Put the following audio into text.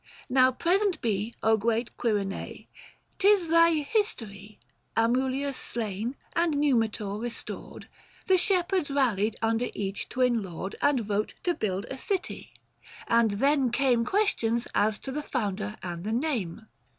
Now present be great Quirine ! 'tis thy history. Amulius slain, and Numitor restored 935 The shepherds rallied under each twin lord, And vote to build a city : and then came) Questions as to the founder and the name.